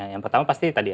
yang pertama pasti tadi ya